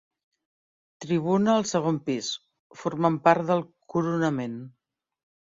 Tribuna al segon pis, formant part del coronament.